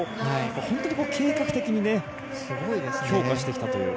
本当に計画的に強化してきたという。